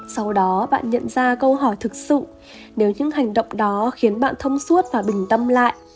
sau đó bạn nhận ra câu hỏi thực sự nếu những hành động đó khiến bạn thông suốt và bình tâm lại